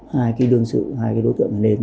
hai cái đương sự hai cái đối tượng này lên